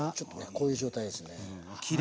こういう状態ですね。